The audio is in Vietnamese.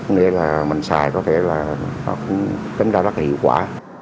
nghĩa là mình xài có thể là tính ra rất là hiệu quả